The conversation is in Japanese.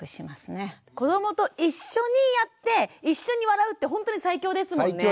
子どもと一緒にやって一緒に笑うってほんとに最強ですもんね。